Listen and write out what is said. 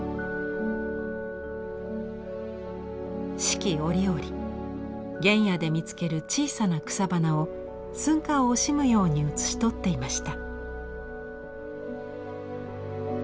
四季折々原野で見つける小さな草花を寸暇を惜しむように写し取っていました。